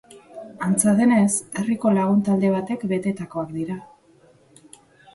Antza denez, herriko lagun talde batek betetakoak dira.